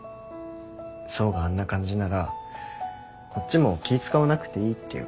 想があんな感じならこっちも気使わなくていいっていうか。